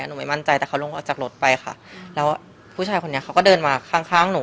หนูไม่มั่นใจแต่เขาลงออกจากรถไปค่ะแล้วผู้ชายคนนี้เขาก็เดินมาข้างข้างหนู